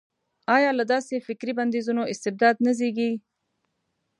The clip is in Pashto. ایا له داسې فکري بندیزونو استبداد نه زېږي.